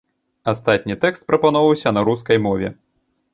Астатні тэкст прапаноўваўся на рускай мове.